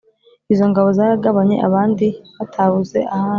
Izo ngabo Zaragabanye abandi Batabuze ahandi!